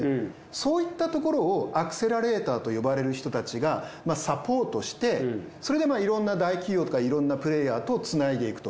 そういったところをアクセラレーターと呼ばれる人たちがサポートしてそれでいろんな大企業とかいろんなプレーヤーとつないでいくと。